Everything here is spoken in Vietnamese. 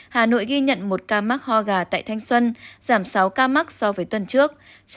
hà nội ghi nhận một ca mắc ho gà tại thanh xuân giảm sáu ca mắc so với tuần trước